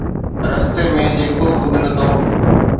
رستي ۾ جيڪو به ملندو